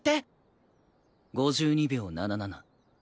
５２秒７７。